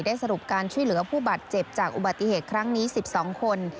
สรุปการช่วยเหลือผู้บาดเจ็บจากอุบัติเหตุครั้งนี้๑๒คน